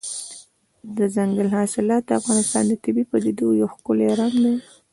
دځنګل حاصلات د افغانستان د طبیعي پدیدو یو ښکلی رنګ دی.